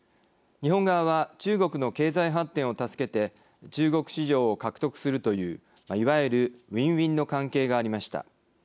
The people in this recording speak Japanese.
日本側は中国の経済発展を助けて中国市場を獲得するといういわゆるＷＩＮＷＩＮの関係がありました。